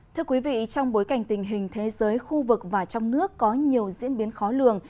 thưa quý vị trong bối cảnh tình hình thế giới khu vực và trong nước có nhiều diễn biến khó lường